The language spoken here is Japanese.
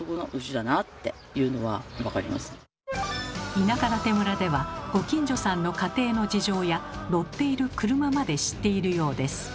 田舎館村ではご近所さんの家庭の事情や乗っている車まで知っているようです。